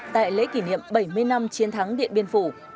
tại lễ kỷ niệm bảy mươi năm chiến thắng điện biên phủ